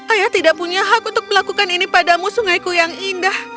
ayah tidak punya hak untuk melakukan ini padamu sungaiku yang indah